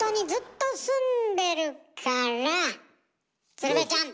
鶴瓶ちゃん！